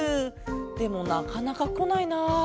でもなかなかこないな。